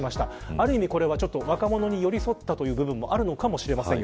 ある意味これは若者に寄り添った部分もあるかもしれません。